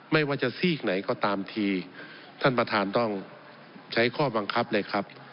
ไม่ว่าจะซีกไหนก็ตามทีท่านประธานต้องใช้ข้อบังคับเลยครับ